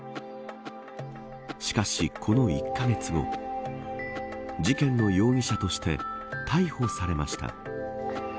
しかし、この１カ月後事件の容疑者として逮捕されました。